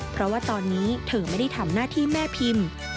เพราะว่าตอนนี้เธอไม่ได้ทำหน้าที่แม่พิมพ์